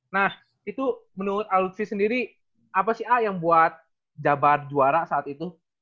nah itu menurut alutsi sendiri apa sih a yang buat jabar juara saat itu